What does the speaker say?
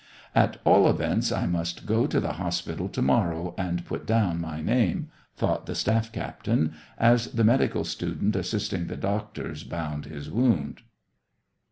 " At all events, I must go to the hospital to morrow, and put down my name," thought the staff captain, as the medical student assisting the doctors bound his wound.